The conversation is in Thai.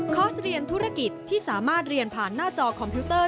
เรียนธุรกิจที่สามารถเรียนผ่านหน้าจอคอมพิวเตอร์